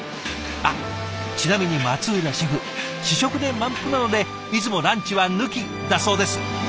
あっちなみに松浦シェフ試食で満腹なのでいつもランチは抜きだそうです。